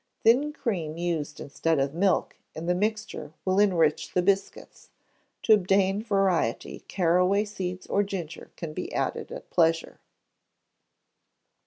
Thin cream used instead of milk, in the mixture will enrich the biscuits. To obtain variety caraway seeds or ginger can be added at pleasure.